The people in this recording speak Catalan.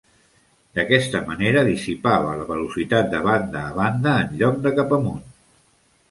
D'aquesta manera dissipava la velocitat de banda a banda en lloc de cap amunt.